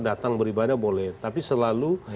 datang beribadah boleh tapi selalu